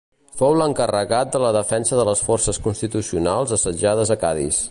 Fou l'encarregat de la defensa de les forces constitucionals assetjades a Cadis.